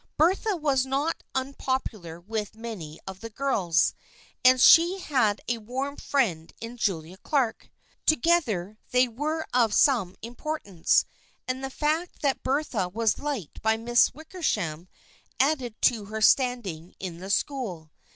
Bertha was not unpopular with many of the girls, and she had a warm friend in Julia Clark. Together they were of some importance, and the fact that Bertha was liked by Miss Wickersham added to her standing in the school.